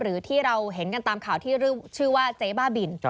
หรือที่เราเห็นกันตามข่าวที่ชื่อว่าเจ๊บ้าบิน